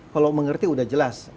kalau mengerti udah jelas